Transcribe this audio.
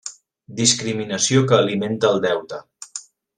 Discriminació que alimenta el deute.